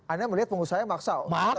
anda melihat pengusaha yang maksa